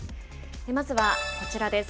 まずはこちらです。